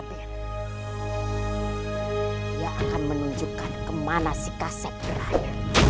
dia akan menunjukkan kemana si kaset berani